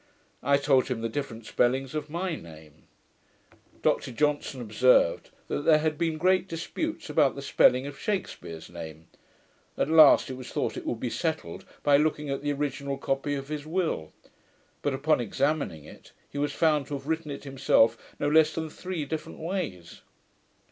I told him the different spellings of my name. Dr Johnson observed, that there had been great disputes about the spelling of Shakspear's name; at last it was thought it would be settled by looking at the original copy of his will; but, upon examining it, he was found to have written it himself no less than three different ways.